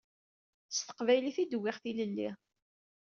S teqbaylit i d-wwiɣ tilelli.